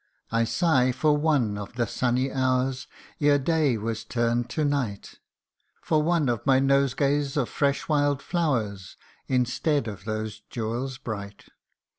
181 I sigh for one of the sunny hours Ere day was turned to night ; For one of my nosegays of fresh wild flowers, Instead of those jewels bright.